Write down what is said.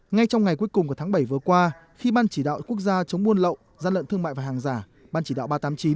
ngay trong ngày cuối cùng của tháng bảy vừa qua khi ban chỉ đạo quốc gia chống buôn lậu gian lận thương mại và hàng giả ban chỉ đạo ba trăm tám mươi chín